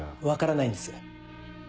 分からないんです。